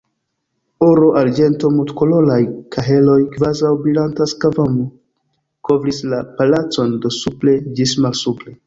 Oro, arĝento, multkoloraj kaheloj, kvazaŭ brilanta skvamo, kovris la palacon de supre ĝis malsupre.